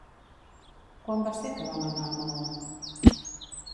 Quan va ser que vam anar a Maó?